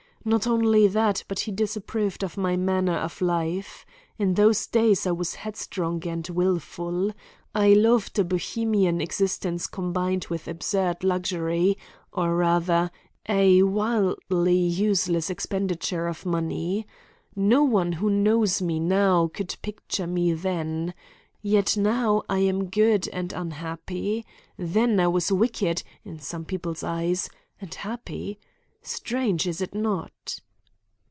Not only that, but he disapproved of my manner of life. In those days I was headstrong and wilful. I loved a Bohemian existence combined with absurd luxury, or rather, a wildly useless expenditure of money. No one who knows me now could picture me then. Yet now I am good and unhappy. Then I was wicked, in some people's eyes, and happy. Strange, is it not?"